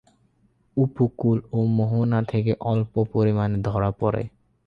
উপকূল ও মোহনা থেকে অল্প পরিমাণে ধরা পড়ে।